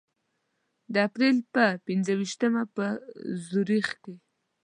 د اپریل په پنځه ویشتمه په زوریخ کې.